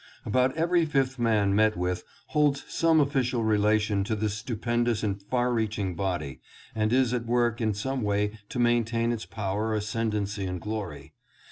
About every fifth man met with holds soijie official relation to this stupendous and far reaching body and is at work in some way to maintain its power, ascendancy and glory.